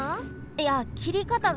いやきりかたが。